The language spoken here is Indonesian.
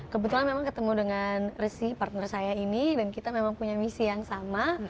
kebetulan memang ketemu dengan resy partner saya ini dan kita memang punya misi yang sama